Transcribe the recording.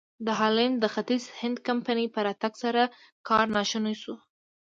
د هالنډ د ختیځ هند کمپنۍ په راتګ سره کار ناشونی شو.